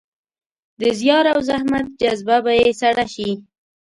د زیار او زحمت جذبه به يې سړه شي.